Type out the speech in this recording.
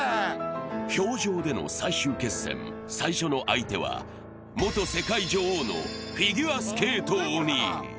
氷上での最終決戦、最初の相手は元世界女王のフィギュアスケート鬼。